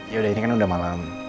yaudah ini kan udah malem